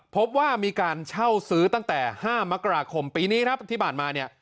พบว่ามีการเช่าซื้อตั้งแต่๕มกราคมปีนี้ครับที่ผ่านมาเนี่ย